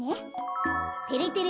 てれてれ